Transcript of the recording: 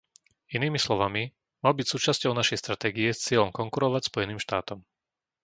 Inými slovami, mal byť súčasťou našej stratégie s cieľom konkurovať Spojeným štátom.